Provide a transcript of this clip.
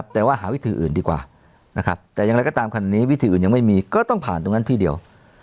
แต่ว่าหาวิธีอื่นดีกว่าแต่ตามคือวิธีอื่นยังไม่มีก็ต้องผ่านตรงนั้นที่เดียว